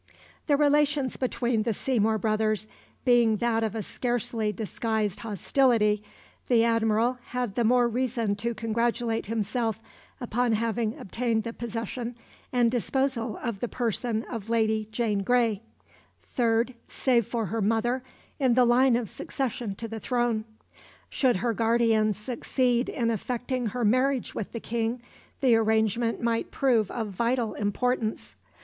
The relations between the Seymour brothers being that of a scarcely disguised hostility, the Admiral had the more reason to congratulate himself upon having obtained the possession and disposal of the person of Lady Jane Grey third, save for her mother, in the line of succession to the throne. Should her guardian succeed in effecting her marriage with the King the arrangement might prove of vital importance.